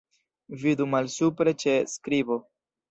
Vidu malsupre ĉe skribo.